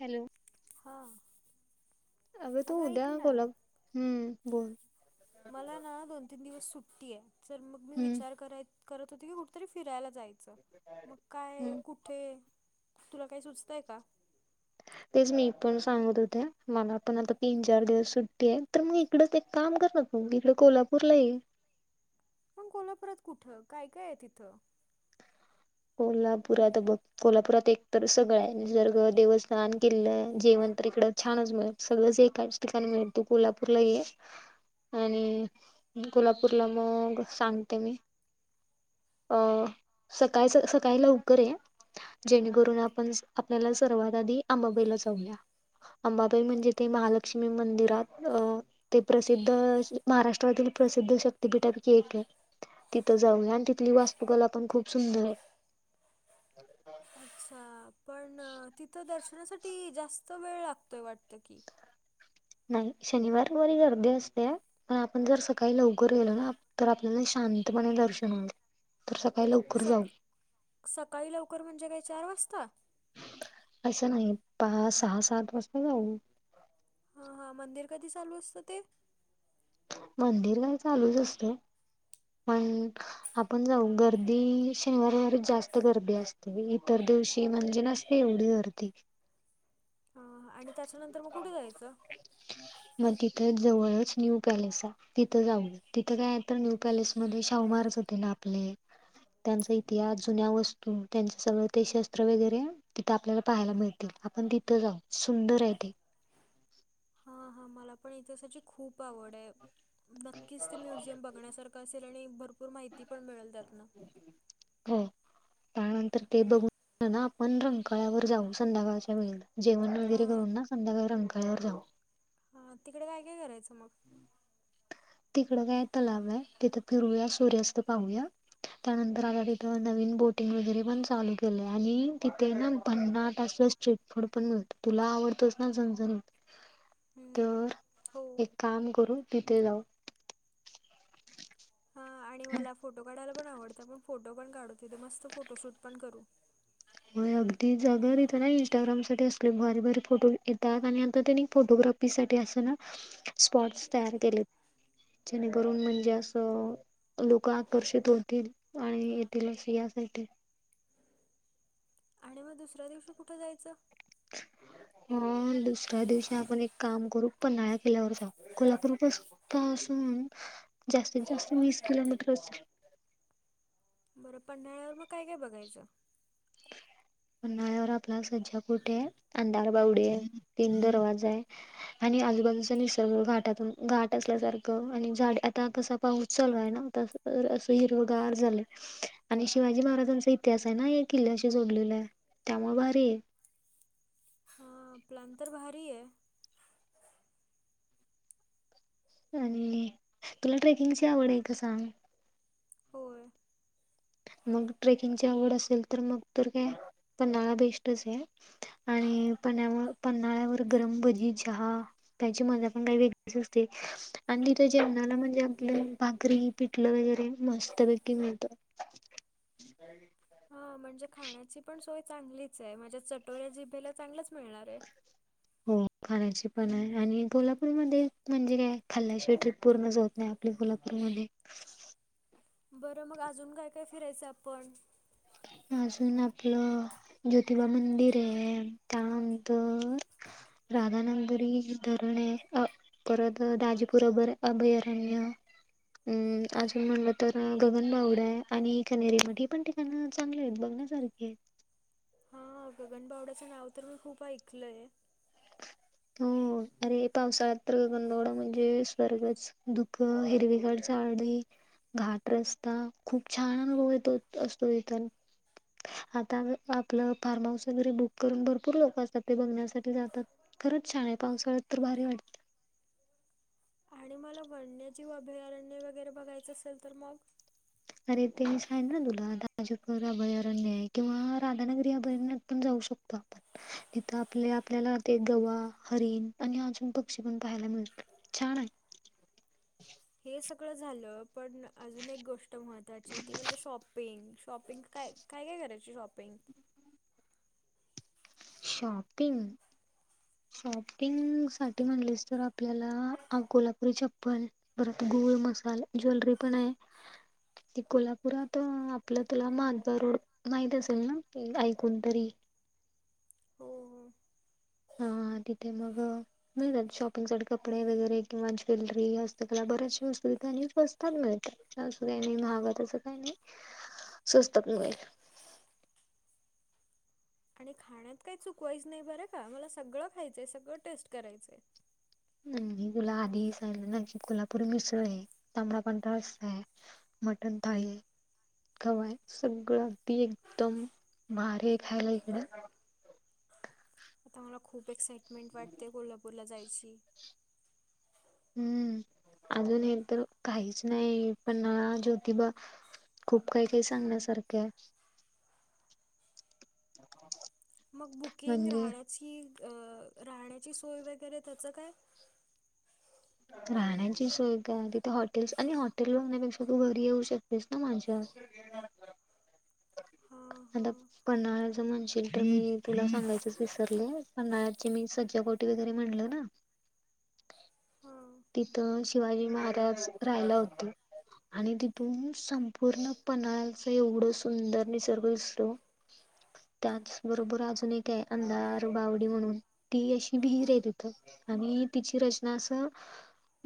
Hello. हां. अग तू उद्या कोल्हा, हम्म. बोल मला ना दोन तीन दिवस सुट्टी ये चर मग मी हम्म विचार कराय करत होती की कुठ तरी फिरायला जायचं, मग काय हम्म कु ठे, तुला काय सुचतय का? तेच, मी पण सांगत होते. मला पण आता तीन चार दिवस सुट्टी आहे. तर मग इकडच एक काम करणं. मी त कोल्हापूरला ये. मग कोल्हापुरात कुठं? काय-काय तिथं. कोल्हापुरात बघ कोल्हापुरात एकतर सगळं आहे. निसर्ग, देवस्थान, किल्ल, जेवण तर इकडं छानच मिळ सगळंस एकाच ठिकाणी मिळते. कोल्हापूरला ये आणि कोल्हापूरला मग सांगते मी. अ काय सकसकाळी लवकर ये, जेणेकरून आपण आपल्याला सर्वात आधी अंबाबाईला जाऊया. अंबाबाई म्हणजे ते महालक्ष्मी मंदिरात अ ते प्रसिद्ध, महाराष्ट्रातील प्रसिद्ध शक्तपीठापैकी एक आहे. तिथं जाऊया आणि तिथली वास्तुकला पण खूप सुंदर आहे. [unintelligible] पण तिथं दर्शनासाठी जास्त वेळ लागतोय वाटतं की, नाही. शनिवार बरी गर्दी असते. पण आपण जर सकाळी लवकर गेलो ना, तर आपल्याला शांतपणे दर्शन होते. सक-सकाळी लवकर म्हणजे काय चार वाजता? असं नाही. पाच, सहा, सात वाजता जाऊ. हा-हा मंदिर कधी चालू असतं ते. मंदिर काय चालूच असतं. मन आपण जाऊ. गर्दी शनिवार रविवार जास्त गर्दी असते. इतर दिवशी म्हणजे नसते. एवढी गर्दी आणि त्याच्यानंतर मग कुठे जायचं? मग तिथं जवळच न्यू पॅलेस आहे. तिथं जाऊ. तिथं काय आहे तर न्यू पॅलेसमध्ये शाहूमहाराज होते ना, आपले त्यांचा इतिहास, जुन्या वस्तू, त्याचं सगळं ते शस्त्र वगैरे तिथं आपल्याला पाहायला मिळतील. आपण तिथं जाऊ. सुंदर आहे ते. हा-हा मला पण इतिहासाची खूप आवड आहे. नक्कीच ते म्युझियम बघण्यासारखं असेल आणि भरपूर माहिती पण मिळल त्यातन. हो. त्यानंतर ते बघून ना, आपण रंकाळयावर जाऊ संध्याकाळच्या वेळेला. जेवण वगैरे हां करून ना, संध्याकाळी रंकाळयावर जाऊ. हा, तिकडे काय-काय करायचं मग. तिकडं काय तलाव आहे. तिथं फिरूया सूर्यास्त पाहूया. त्यानंतर आता तिथं नवीन बोटिंग वगैरे पण चालू केलंय, आणि तिथे ना भन्नाट असं चिटफोड पण मिळतं. तुला आवडतोस ना, झणझणीत तर हम्म. हो एक काम करून तिथे जाऊ. हा आणि मला फोटो काढायला पण आवडतं. पण फोटो पण काढू तिथे. मस्त फोटोशूट पण करू. होय अगदी जागा तिथं ना, इंस्टाग्राम साठी असले भारी भारी फोटो येतात. आणि आता त्यांनी फोटोग्राफ फी साठी असं ना, स्पॉटस तयार केले. जेणेकरून म्हणजे असं लोक आकर्षित होतील आणि येतील असं यासाठी आणि मग दुसऱ्या दिवशी कुठं जायचं? [inaudible] ह दुसऱ्या दिवशी आपण एक काम करू पन्हाळ्या किल्ल्यावर जाऊ. कोल्हापूरपासू पासून जास्तीत जास्त वीस किलोमीटर असेल. बरं पन्हाळ्यावर मग काय काय बघायचं? पन्हाळ्यावर आपला सज्ज कोट ए. अंधारबावडी आहे. तीन दरवाजा आहे. आणि आजूबाजूचा निसर्ग घाटातून घाट असल्यासारखं आणि झाड, आता कस पाऊस चालू आहे ना? त [unintelligible] असं हिरवगार झालं. आणि शिवाजी महाराजांचा इतिहास आहे ना या किल्ल्याशी जोडलेला आहे. त्यामुळे भारी ए. हां. प्लॅन तर भारी ए. आणि तुला ट्रेकिंगची आवड आहे का सांग? होय. मग ट्रेकिंगची आवड असेल तर मग तर काय पन्हाळा बेस्टच आहे. आणि पण्यावर पन्हाळ्यावर गरम भजी, चहा- त्याची मजा पण काही वेगळीच असते. आणि तिथं जेवणाला म्हणजे आपलं भाकरी पिठलं वगैरे मस्तपैकी मिळतं. हं. म्हणजे खाण्याची पण सोय चांगलीच आहे. माझ्या चटोऱ्या जिभेला चांगलच मिळणार ए. हो खाण्याची पण आहे. आणि कोल्हापूरमध्ये म्हणजे काय खाल्ल्याशिवाय ट्रीप पूर्णच होत नाही आप - आपल्या कोल्हापूरमध्ये. बरं मग अजून काय काय फिरायचं आपण? अजून आपलं ज्योतिबा मंदिर आहे. त्यानंतर- राधानगरी धरण ए. अ- परत दाजीपुर अभ अभयारण्य. अम अजून म्हणलं तर गगनबावडा आहे आणि खनेरी मठ. ही पण ठिकाण- चांगले आहेत बघण्यासारखेत. हा. गगनबावड्याचं नाव तर मी खूप ऐकलंय. हो. अरे पावसाळ्यात तर गगनबावडा म्हणजे स्वर्गच. धुक हिरवीगार झाडी. घाट रस्ता. खूप छान अनुभव येतो असतो इथ. आता आपलं फार्म हाऊस वगैरे बुक करून भरपूर लोक असतात. ते बघण्यासाठी जातात. खरंच छान ए. पावसाळ्यात तर भारी वाटत. आणि मला वन्यजीव अभयारण्य वगैरे बघायचं असेल तर मग? अरे तेच [unintelligible] तुला [unintelligible] अभयारण्य ए. किंवा राधानगरी अभयारण्यात पण जाऊ शकतो आपण. तिथं आपल आपल्याला ते गवा, हरीण आणि अजून पक्षी पण पाहायला मिळतात. छान ए. हे सगळं झालं- पण अजून एक गोष्ट महत्त्वाची ए. ती म्हणजे शॉपिंग शॉपिंग काय? काय काय करायची शॉपिंग? शॉपिंग? शॉपिंग साठी म्हणलेस तर आपल्याला अ कोल्हापुरी चप्पल- परत गुळ मसाल, ज्वेलरी पण आहे. ते कोल्हापुरात आपलं तला माधवा रोड- माहीत असेल ना ऐकून तरी? हो हो. हा. तिथे मग- [unintelligible] कपडे वगैरे किंवा ज्वेलरी हस्तकला बऱ्याचशा वस्तू इथे आणि स्वस्त मिळतात. असं काही नाही महाग तसं काही नाही. स्वस्त पण मिळेल. आणि खाण्यात काही चुकवायचं नाही बरं का. मला सगळं खायचंय सगळं टेस्ट करायचंय. आणि तुला आधी सांगलं ना की? कोल्हापुरी मिसळ आहे. तांबडा पांढरा रस्सा आहे. मटन थाळी, खवा आहे. सगळं अगदी एकदम भारी आहे. खायला इकड‌ं आता मला खूप एक्साइटमेंट वाटते. कोल्हापूरला जायची. हम्म अजून हे तर काहीच नाही? पण ज्योतिबा खूप काही काही सांगण्यासारखं आहे. [inaudible] मग बुकिंग म्हणजे राहण्याची अ राहण्याची सोय वगैरे त्याचं काय? राहण्याची सोय काय? तिथे हॉटेल्स आणि हॉटेल बघण्यापेक्षा तू घरी येऊ शकतेस ना माझ्या? हा हा आता पन्हाळ्याच म्हणशील तर मी तुला सांगायचच विसरले. पन्हाळ्याची मी सज्जा गोटी वगैरे म्हणलं ना. हा. तिथं शिवाजी महाराज राहायला होते. आणि तिथून संपूर्ण पन्हाळ्याचं एवढं सुंदर निसर्ग दिसतो. त्याच बरोबर अजून एक आहे. अंधार बावडी म्हणून. ती अशी विहीर आहे तिथं. आणि तिची रचना असं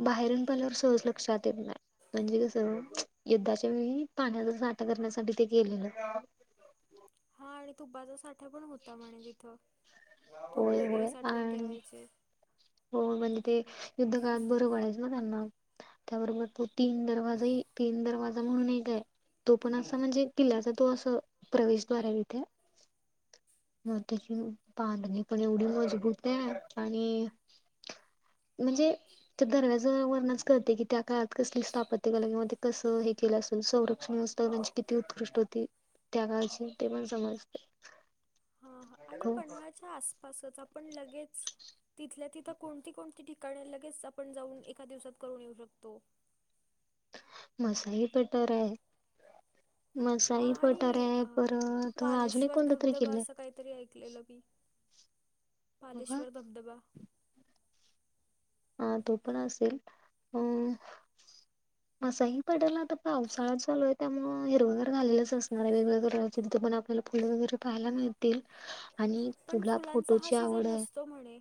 बाहेरून पण सहज लक्षात येत नाय. म्हणजे कसं? युद्धाच्या वेळी पाण्याचा साठा करण्यासाठी ते केलेलं. हा आणि तुपाचा साठा पण होता म्हणे तिथं? तूप होय वेगळे होय साठवून आणि ठेवायचे. हो म्हणजे ते युद्ध काळात बरं पडायचं ना? त्यांना त्याबरोबर तो तीन दरवाजाही तीन दरवाजा म्हणून एक हाय. तो पण असा म्हणजे? किल्ल्याचा तो अस प्रवेशद्वार आहे. तिथे मग त्याची बांधणी पण एवढी मजबूत आहे. आणि म्हणजे ते दरवाज्यावरनच कळते की? त्या काळात कसली स्थापत्य कला किंवा ते कसं हे केलं असेल. संरक्षण अस म्हणजे किती उत्कृष्ट होती. त्या काळची ते पण समजते. हा, हा आणि खूप पन्हाळच्या आसपासच आपण लगेच तिथल्या तिथं कोणती, कोणती ठिकाणी लगेच आपण जाऊन एका दिवसात करून येऊ शकतो? मसाई पठार आहे. हा मसाई पठार आणि आहे परत अजून एक पालेश्वर कोणता तरी धबधबा किल्ला अस आहे काहीतरी ऐ [unintelligible] ऐकलेल बघा पालेश्वर धबधबा. हा तो पण असेल. अ मसाई पठार आता पावसाळाच चालूय त्यामुळे हिरवगार झालेलंच असणार आहे. वेगवेगळं रंगाच तिथं पण आपल्याला फुलं वगैरे पाहायला मिळतील. आणि पण तुला फुलांचा हा फोटोची सीझन आवड आहे नसतो? म्हणे.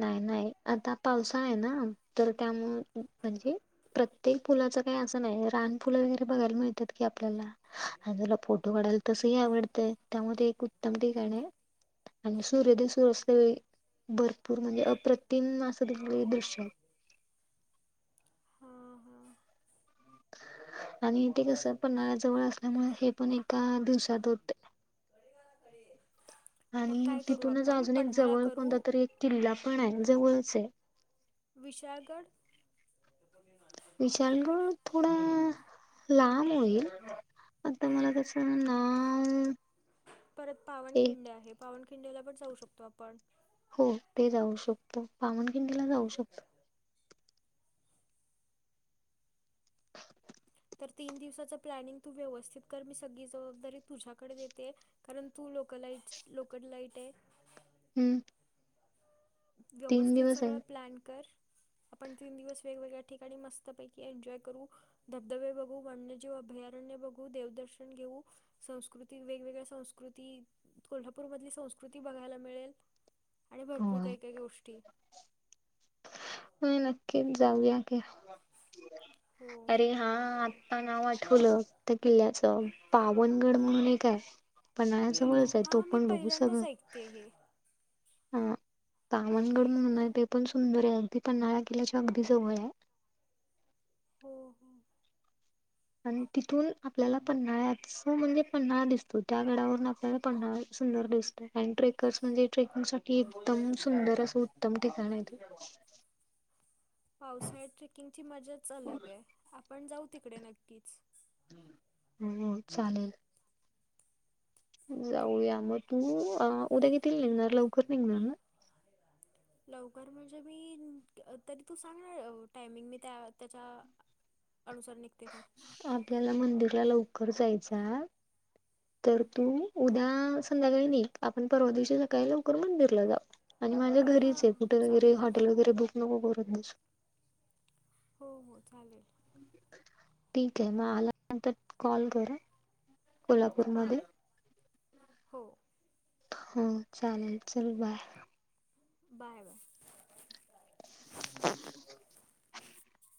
नाही, नाही आता पावसाळा आहे ना? तर त्यामुळं म्हणजे प्रत्येक फुलाच काही असं नाही? रान फुलं वगैरे बघायला मिळतात की आपल्याला. आणि तुला फोटो काढायला तसही आवडतं? त्यामुळे ते एक उत्तम ठिकाण आहे. आणि सूर्य अस्तावेळी असल्यावेळी भरपूर म्हणजे अप्रतिम असं दुर्मिळ दिले दृश्य. हां हां आणि ते कस पन्हाळा जवळ असल्यामुळे हे पण एका दिवसात होते. कडी घाला कडी आणि तिथूनच अजून एक जवळ करू कोणता तरी एक किल्ला पण आहे. जवळच आहे. विशाळगड. विशाळगड थोडा लांब होईल. आता मला त्याच नाव परंत एक पावनखिंड आहे पावनखिंडेला पणं जाऊं शकतो आपणं. हो ते जाऊं शकतो पामनखिंडीला जाऊं शकतो. [unintelligible] तरं तीनं दिवसांचं प्लॅनिंग तूं व्यवस्थित करं मी सगळीं जबाबदारी तुझ्यांकडे देते कारणं तूं लोकंल लाईट लोकंल लाईट आहे हम्मं व्यवस्थित आहे सगळं प्लॅन करं आपणं तीनं दिवसं वेगवेगळ्यां ठिकांणी मस्तंपैकी एन्जॉय करूं धबधबे बघूं वन्यंजीव अभयारण्यं बघूं देवदर्शन घेऊं संस्कृती वेगवेगळ्यां संस्कृती कोल्हापूर मधली संस्कृती बघांयला मिळेल आणि भरंपूर होय कांहीं कांहीं गोष्टी मं नक्कीचं जाऊंयाखे हो अरे हां आंता नांव आठवलं त्यां किल्ल्याचं पावनंगड म्हणूंन एक आहे पनाळ्यां जवळं हां मी पहिल्यांदाचं ऐकते हे हां सामनंगड म्हणूंन आहे ते पणं सुंदर आहे अगदीं पणं नारं किल्ल्यांच्या अगदीं जवळं आहे हो हो आणि तिथूंन आपल्यांला पन्हाळ्यांच म्हणजे पन्हांळा दिसतो त्यां गडांवरून आपल्याला पन्हांळा सुंदर दिसतो आणि ट्रेकर्स म्हणजे ट्रेकिंग सांठी एकदंम सुंदर असं उत्तमं ठिकाणं आहे ते पावसाळ्यांत ट्रेकिंग ची मज्जांच अलंग आहे आपणं जाऊं तिकडे नक्कीचं हम्मं चालेल जाऊंया मंग तूं उद्यां घिथं निघणांर लवकरं निघणांर नां लवकरं म्हणजे मी तरी तूं सांगणार टायमिंग मी त्यां त्यांच्या अनुसांर निघते मंग आपल्यांला मंदिरलां लवकरं जायचं आं तरं तूं उद्यां संध्याकांळी नाहीं आपणं पर्वा दिवशी सकाळीं लवकरं मंदिरलां जावूं आणि माझ्या हां घरीच हां येकुठे वगैरें चालेल हॉटेल वगैरें बुंक नको करूंन बसं हो हो चालेल ठीक आहे मंग आल्यां नंतर कॉल करं हां कोल्हापूरमध्यें हो हो चालेल चलं बांय बांय बांय तरं